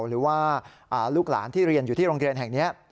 หรือว่าลูกหลานที่เรียนอยู่ที่โรงเรียนแห่งนี้